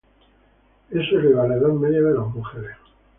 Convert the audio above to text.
Eso eleva la edad media de las mujeres.